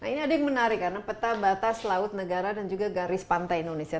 nah ini ada yang menarik karena peta batas laut negara dan juga garis pantai indonesia